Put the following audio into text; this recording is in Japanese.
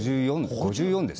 ５４です。